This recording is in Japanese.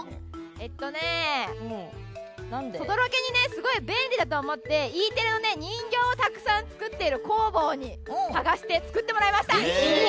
えっとねすごい便利だと思ってＥテレのね人形をたくさん作っている工房に探して作ってもらいました！